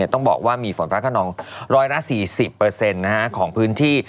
ต้องบอกว่ามีฝนฟ้าขนอง๑๔๐ของพื้นที่